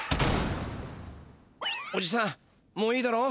おじさんもういいだろう。